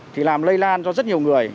thì lây lan cho rất nhiều người